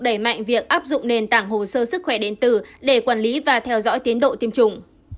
đẩy mạnh việc áp dụng nền tảng hồ sơ sức khỏe điện tử để quản lý và theo dõi tiến độ tiêm chủng